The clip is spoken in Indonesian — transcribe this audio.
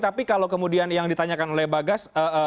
tapi kalau kemudian yang ditanyakan oleh bagas